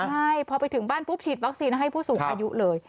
ใช่พอไปถึงบ้านปุ๊บฉีดวัคซีนให้ผู้สูงอายุเลย